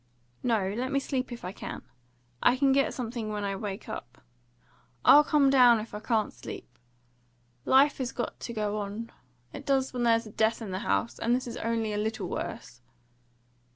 "No; let me sleep if I can. I can get something when I wake up. I'll come down if I can't sleep. Life has got to go on. It does when there's a death in the house, and this is only a little worse."